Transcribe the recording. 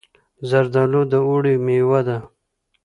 زردالو د اوړي مېوه ده.